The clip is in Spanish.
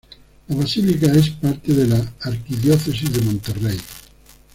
La basílica es parte de la Arquidiócesis de Monterrey.